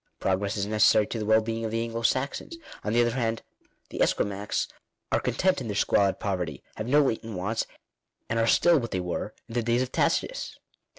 Progress is necessary to the well being of the Anglo Saxons; on the other hand the Esquimaux are content in their squalid poverty, have no latent wants, and are still what they were in the days of Tacitus.